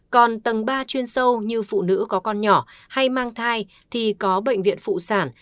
còn tầng ba chuyên sâu như phụ nữ có con nhỏ hay mang thai thì có bệnh viện phụ sản